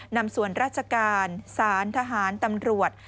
นำส่วนราชการสารทหารตำรวจ